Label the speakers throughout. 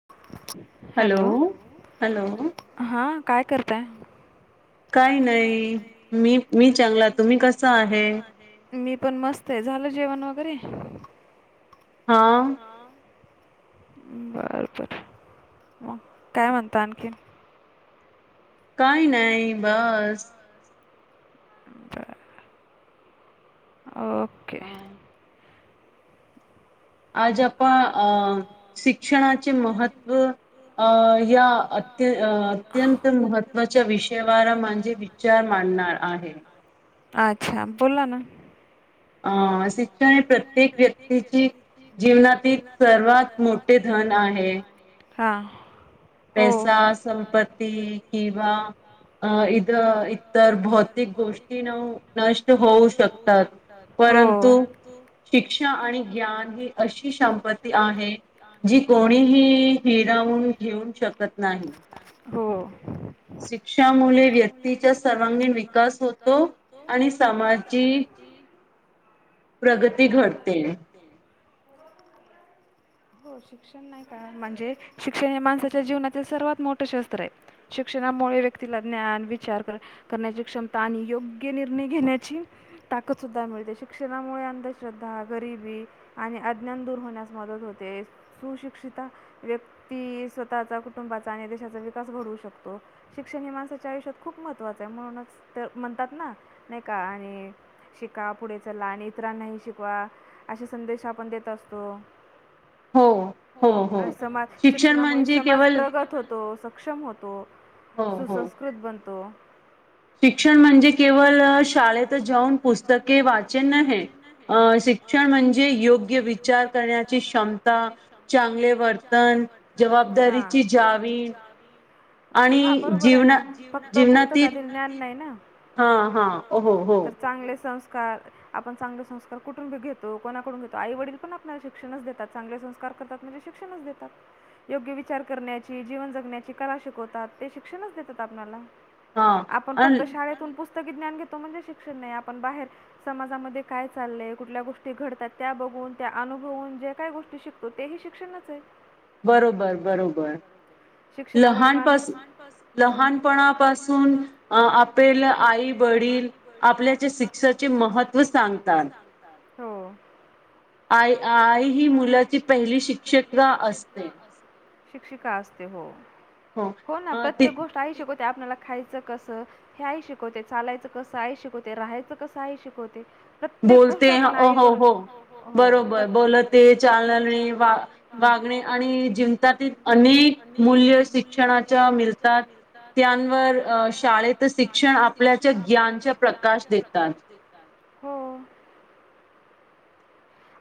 Speaker 1: [unintelligible]
Speaker 2: Hello, hello.
Speaker 1: हा काय करताय?
Speaker 2: काय नाही, मी, मी चांगला तुम्ही कसा आहे?
Speaker 1: मी पण मस्त हाय, झालं जेवण वगैरे?
Speaker 2: हा.
Speaker 1: बर, बर मग काय म्हणता आणखीण?
Speaker 2: काही नाही बस.
Speaker 1: ओके.
Speaker 2: आज आपण अं, शिक्षणाचे महत्त्व अ या अत्य, अत्यंत महत्त्वाच्या विषयावारा म्हणजे विचार माणणार आहे.
Speaker 1: अच्छा बोला ना.
Speaker 2: आ, सिक शिक्षण हे प्रत्येक व्यक्तीची, जीवनातील सर्वात मोठे धन आहे.
Speaker 1: हां.
Speaker 2: पैसा, संपत्ती, किंवा अ, इथ, इतर भौतिक गोष्टीन नष्ट होऊ शकतात.
Speaker 1: हो. परंतु.
Speaker 2: शिक्षा आणि ज्ञान ही अशी क्षम संपत्ती आहे जी कोणीही हिरावून घेऊन शकत नाही.
Speaker 1: हो. शिक्षा मुळे व्यक्तीचा सर्वांगीण विकास होतो आणि समाजची [unintelligible]
Speaker 2: प्रगती घटते.
Speaker 1: हो शिक्षण नाही कारण म्हणजे, शिक्षण हे माणसाच्या जीवनातील सर्वात मोठं शस्त्र हाय. शिक्षणामुळे व्यक्तीला ज्ञान, विचार कर करण्याची क्षमता आणि योग्य निर्णय घेण्याची ताकद सुद्धा मिळते, शिक्षणामुळे अंधश्रद्धा, गरीबी आणि अज्ञान दूर होण्यास मदत होते. सुशिक्षिता व्यक्ती स्वतःचा कुटुंबाचा आणि देशाचा विकास घडवू शकतो. शिक्षण हे माणसाच्या आयुष्यात खूप महत्त्वाचं हाय म्हणूनच तर म्हणतात ना, नाहीका आणि शिका पुढे चला आणि इतरांनाही शिकवा असे संदेश आपण देत असतो.
Speaker 2: हो, हो.
Speaker 1: समाज शिक्षणामुळे समाज प्रगत होतो, सक्षम होतो. सुसंस्कृत बनतो.
Speaker 2: शिक्षण म्हणजे केवळ, शाळेत जाऊन पुस्तके वाचन नहे, अ शिक शिक्षण म्हणजे योग्य विचार करण्याची क्षमता चांगले वर्तन, जबाबदारीची जावीण
Speaker 1: हा बरोबर आहे ना, फक्त पुस्तकातील ज्ञान नाही ना तर चांगले संस्कार आपण चांगले संस्कार कुठून बी घेतो, कोणाकडून घेतो, आई वडील पण आपल्याला शिक्षणच देतात चांगले संस्कार करतात म्हणजे शिक्षणच देतात. योग्य विचार करण्याची, जीवन जगण्याची कला शिकवतात, ते शिक्षणच देतात आपणाला. आपण फक्त शाळेतून पुस्तकी ज्ञान घेतो म्हणजे शिक्षण नाही, आपण बाहेर समाजामध्ये काय चाललंय, कुठल्या गोष्टी घडतात त्या बघून, त्या अनुभवून जे काय गोष्टी शिकतो, तेही शिक्षणच आहे.
Speaker 2: बरोबर बरोबर. लहानपास लहानपणापासून अं आप आपल्याला आई वडील, आपल्याच्या शिक्षेचे महत्त्व सांगतात.
Speaker 1: हो.
Speaker 2: आई आई ही मुलाची पहिली शिक्षिका अस
Speaker 1: शिक्षिका असते हो, हो ना प्रत्येक गोष्ट आई शिकवते आपणाला खाय च कसं, हे आई शिकवते, चालायचं कसं आई शिकवते, राहायचं कसं आई शिकवते
Speaker 2: बोलते हो हो, बरोबर. बोलते, चालणे, वा वागणे, आणि जिंतात त अनेक मूल्य शिक्षणाच्या मिळतात, त्यांवर अं शाळेत शिक्षण आप
Speaker 1: शिक्षण आपल्याचे ज्ञानचे प्रकाश देतात, हो.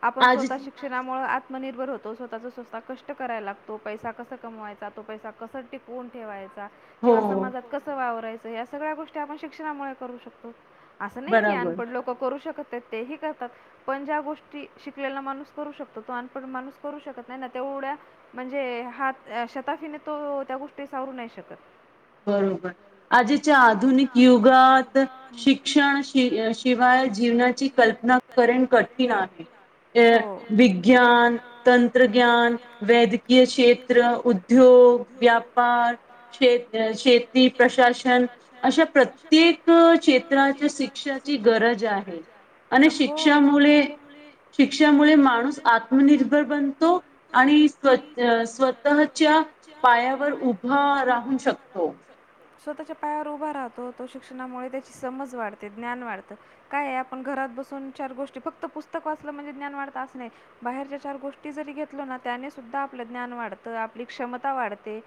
Speaker 1: आपण स्वतः शिक शिक्षणामुळं आत्मनिर्भर होतो, स्वतःचा स्वतः कष्ट करायला लागतो, पैसा कसा कमवायचा तो पैसा कसा टिक टिकऊन ठेवायचा किंवा समाजात कसं वावरायचं, या सगळ्या गोष्टी आपण शिक्षणामुळे करू शकतो. असं नाही की, अनपड लोक करू शकत, तेही करतात पण ज्या गोष्टी टी शिकलेला माणूस करू शकतो, तो अनपड माणूस करू शकत नाही ना, तेवढ्या म्हणजे हात शताफीने तो त्या गोष्टी सावरू नाही शकत.
Speaker 2: बरोबर, आजीच्या आधुनिक युगात शिक्षण शिवाय जीवनाची कल्पना करण कठीण आहे. अ विज्ञान, तंत्रज्ञान, वैद्यकीय क्षेत्र, ऊद्य उद्योग, व्यापार, शेत शेती प्रशासन, अशा प्रत्येक क्षेत्राच शिक्षक ची गरज आहे, आणि शिक्षामुळे शिक्षामुळे माणूस आत्मनिर्भर बनतो. आणि स्व स्वतःच्या पायावर उभा राहू शक
Speaker 1: स्वतःच्या पायावर उभा राहतो, तो शिक्षणामुळे त्याची समज वाढते, ज्ञान वाढतं. काय आपण घरात बसून चार गोष्टी, फक्त पुस्तक वाचलं म्हणजे ज्ञान वाढतं असं नाही. बाहेरच्या चार गोष्टी जरी घेतलं ना, त्याने सुद्धा आपलं ज्ञान वाढतं आपली क्षमता वाढते.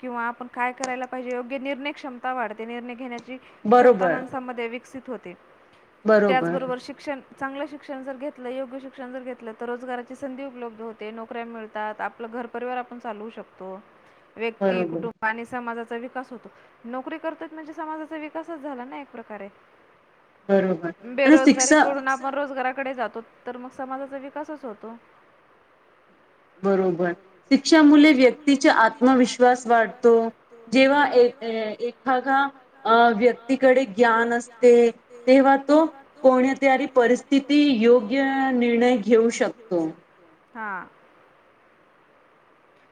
Speaker 1: किंवा आपण काय करायला पाहिजे योग्य निर्णय क्षमता वाढते, निर्णय घेण्याची क्षमता माणसामध्ये विकसित होते, त्याचबरोबर शिक्षण चांगलं शिक्षण जर घेत लं योग्य शिक्षण जर घेतलं तर रोजगाराची संधी उपलब्ध होते, नोकऱ्या मिळतात, आपलं घरपरीवार आपण चालवू शकतो. व्यक्ती, कुटुंब, आणि समाजाचा विकास होतो. नोकरी करतात म्हणजे समाजाचा विकासच झाला ना एक प्रकारे. बेरोजगारी कडून आप न रोजगाराकडे जातो, तर मग समाजाचा विकासच होतो.
Speaker 2: बरोबर शिक्षा मुले व्यक्तीचा आत्मविश्वास वाढतो. जेव्हा ए-एखादा अ व्यक्तीकडे ग्यान असते. तेव्हा तो कोन्यातरी परिस्थिती योग्य निर्णय घेऊ शकतो.
Speaker 1: हा!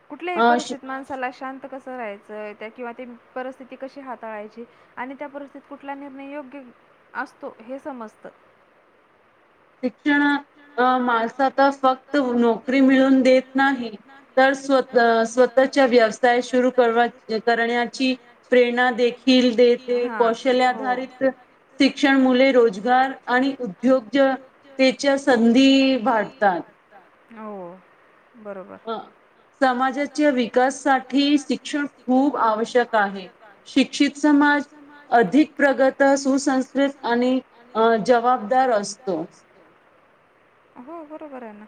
Speaker 1: कुठल्याही परिस्थितीत माणसाला शांत कसं राहायचंय त्यां किंवा ते परिस्थिती कशी हाताळायची. आणि त्या परिस्थित कुठला निर्णय योग्य असतो हे समजतं.
Speaker 2: शिक्षण अ माणसा त फक्त नोकरी मिळून देत नाही. तर स्व-स्वतःच्या व्यवसाय शूरू कर करण्याची. प्रेरणा देखील देते कौशल्याधारित. तिच्या मुले रोजगार आणि उद्योग ज. त्येच्या संधी वाढंतात.
Speaker 1: आहो बरोबर!
Speaker 2: अ समाजाच्या विकाससाठी शिक्षण खूप आवश्यक आहे. शिक्षित समाज. अधिक प्रगत सुसंस्कृत आणि अ जबाबदार असतो.
Speaker 1: हो बरोबर आहे ना.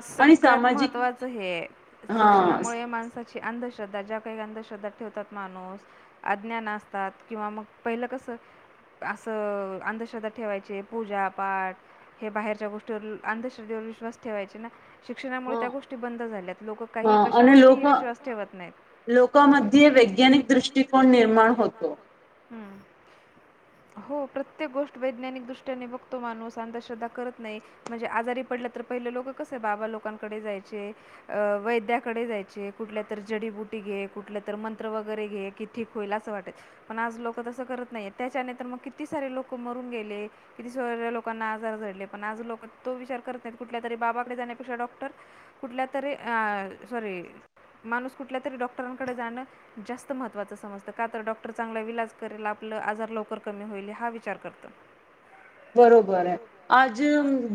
Speaker 1: सगळ्यात महत्त्वाचं हे आहे. शिक्षणामुळे माणसाची अंधश्रद्धा, ज्या काही अंधश्रद्धा ठेवतात माणूस. अज्ञान असतात, किंवा मग पहिलं कसं. असं अंधश्रद्धा ठेवायचे, पूजापाठ हे बाहेर च्या गोष्टीवर अंधश्रद्धेवर विश्वास ठेवायचे ना. शिक्षणामुळे त्या गोष्टी बंद झाल्यात, लोक काही कशावरती विश्वास ठेवत नाहीत.
Speaker 2: लोकांमध्ये वैज्ञानिक दृष्टिकोन निर्माण होतो.
Speaker 1: हूं! हो प्रत्येक गोष्ट वैज्ञानिक दृष्ट्याने बघतो माणूस, अंधश्रद्धा करत नाही. म्हणजे आजारी पडलं, तर पहिले लोक कसं बाबा लोकांकडे जायचे. अ वैद्याकडे जायचे, कुठल्या तर जडीबुटी घे कुठल्या तर मंत्र वगैरे घे, की ठीक होईल असं वाटात, पण आज लोक तसं करत नाहियेत, त्याच्याने तर मग किती सारे लोकं मरून गेले. किती सगळ्या लोकांना आजार जडले, पण आज लोक तो विचार करत नाहीत, कुठल्या तरी बाबाकडे जाण्यापेक्षा डॉक्टर कुठल्या तरी अ सॉरी माणूस कुठल्या तरी डॉक्टरांकडे जाणं. जास्त महत्वाचं समजतं, का तर डॉक्टर चांगला विलाज करेल, आपल आजार लवकर कमी होईल हा विचार करतं.
Speaker 2: बरोबर आहे, आज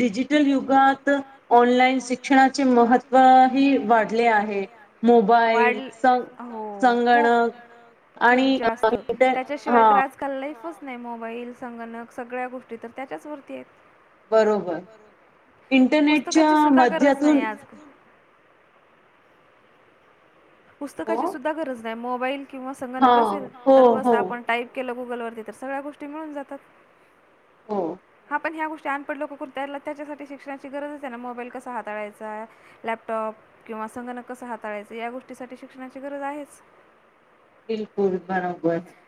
Speaker 2: डिजिटल युगात त ऑनलाईन शिक्षणाचे महत्त्व ही वाढले आहे, मोबाईल सं संगणक आणि [unintelligible] हां!
Speaker 1: काल लाईफच नहिय मोबाईल संगणक, सगळ्या गोष्टी तर त्याच्याचवरती हेत.
Speaker 2: बरोबर इंटरनेटच्या मध्यातून
Speaker 1: [inaudible] पुस्तकाची सुद्धा गरज नाही, मोबाईल किंवा संगणक असेल तर बस आपण टाईप केलं गुगलवरती, तर सगळ्या गोष्टी मिळून जातात.
Speaker 2: हो!
Speaker 1: हा पण ह्या गोष्टी अनपड लोक करु त्यांला त्याच्यासाठी शिक्षणची गरजच आहेना, मोबाईल कसा हाताळायचा लॅपटॉप किंवा संगणक कसं हाताळायचं, या गोष्टीसाठी शिक्षणाची गरज आहेच.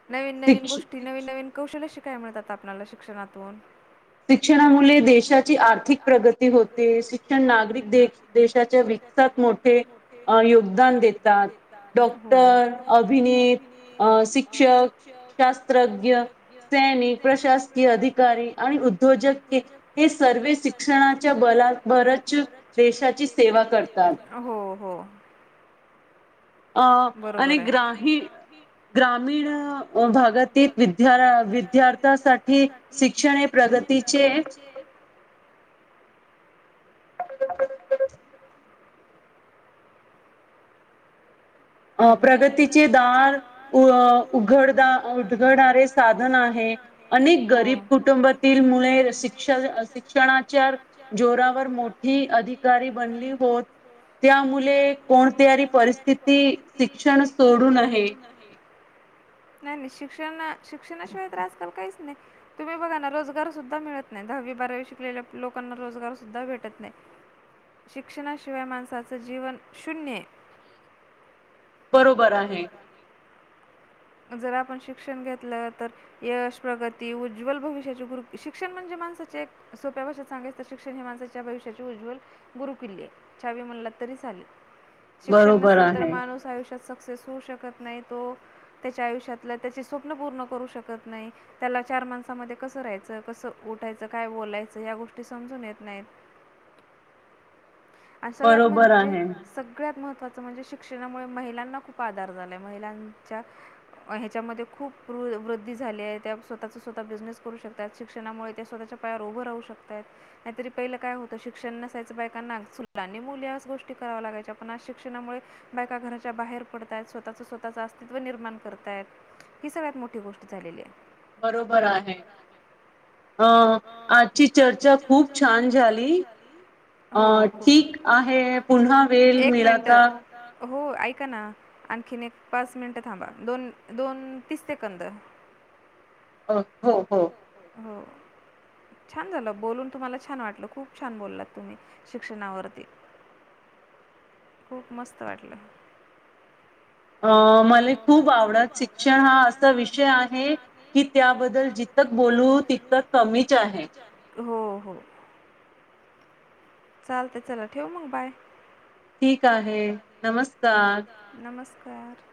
Speaker 1: नवीन नवीन गोष्टीं नवीन नवीन कौशल्य शिकांयला मिळतातं आपल्यांला शिक्षणांतून.
Speaker 2: शिक्षणांमुळे देशाची आर्थिक प्रगती होते शिक्षणं नागरिक देख देशांच्या विकासांत मोठे योगदांन देतांत डॉक्टर अभिनेत अं शिक्षकं शास्त्रंज्ञ सैनिक, प्रशासकीय अधिकांरी आणि उद्योजक ते हे सर्व शिक्षणांच्या बलांभरचं देशांची सेवा करतांत.
Speaker 1: हो हो.
Speaker 2: अं अनेक ग्रांहीक ग्रामीण भागांतील विद्यार्थी विद्यार्थ्यासांठी शिक्षणेे हे प्रगतीचे--एक
Speaker 1: [inaudible] [unintelligible]
Speaker 2: अं प्रगतीचे दारं उघडंदार उघडणांरे साधनं आहे. अनेक गरीब कुटुंबातील मुळे शिक्ष शिक्षणांच्या जोरांवर मोठी ही अधिकारी बनली होतं त्यांमुळे कोणत्यांरी परिस्थिती शिक्षणं सोडूंन नहे
Speaker 1: नाहीं नाहीं शिक्षणां शिक्षणांशिवांय तरं आंजकांल कांहींचं नाहीं. तुम्हीं बघांना रोजगांर सुद्धां मीळतं नाहीं. दहावी बारावी शिकलेल्या लोकांना रोजगांर सुद्धां भेटतं नाहीं. शिक्षणांशिवांय माणसाचं जीवनं शून्यं आहे.
Speaker 2: बरोबर आहे.
Speaker 1: जरं आपणं शिक्षणं घेतलं तरं यशं प्रगती उज्ज्वलं भविष्यांची गुरु शिक्षणं म्हणजे माणसांचे एक सोप्या भाषेत सांगाच ते शिक्षणं हे माणसांच्या भविष्यांचे उज्जवलं गुरुकिल्ले ये आहे चावी म्हणलांत तरी चालेल. शिक्षणं नसेल तरं माणूंस आयुष्यांत सक्सेस होऊं शकतं नाहीं तो त्यांच्या आयुष्यांतलं त्यांचे स्वप्नं पूर्ण करूं शकतं नाहीं त्यांला चार माणसांमध्ये कसं राहायचं कसं उठायचं कायं बोलायचं यां गोष्टी समजूंन येतं नाहींत. आणि सगळ्यांत म्हणजे सगळ्यांत महत्त्वाचं म्हणजे शिक्षणांमुळे महिलांना खूंप आंधार झालां आहे महिलांच्या ह्यांच्या मध्यें खूंप वृद्धी झाली आहे त्यां स्वंतःचां स्वंतः बिझनेस करूं शकतांत. शिक्षणांमुळे त्यां स्वंतःच्यां पायांवर उभं राहूं शकतां हेतं. नाहींतरी पहिलं कायं होतं शिक्षणं नसायचं बायकांना चूलं आणि मुलं यांचं गोष्टी करांव्या लागांयच्या पणं आंज शिक्षणांमुळे बायकां घरांच्या बाहेर पडतांयत स्वंतःचं स्वंतःचां अस्तित्व निर्माण करतात करतायंत ही सगळ्यांत मोठी गोष्टं झालेली आहे.
Speaker 2: बरोबर आहे अं आंजची चर्चा खूंप छान झाली. अं ठीक आहे पुन्हां वेळं मिळांला तरं
Speaker 1: हो ऐकां नां आंणखीन एक पांच मिनिटं थांबा दोन दोन तीस सेकंद
Speaker 2: अं हो हो
Speaker 1: हो छांन झालं बोलूंन तुम्हांला छांन वाटलं खूंप छांन बोललांत तुम्हीं शिक्षणांवरती. खूंप मस्तं वाटलं.
Speaker 2: अं मले खूंप आवडतं शिक्षाणं हां असां विषय आहे की त्यांबद्दल जिथं बोलूं तितकं कमी
Speaker 1: हो हो चालते चला ठेऊ मग बाय.
Speaker 2: ठीक आहे. नमस्कार
Speaker 1: नमस्कार,